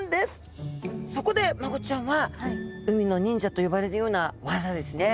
そこでマゴチちゃんは海の忍者と呼ばれるような技ですね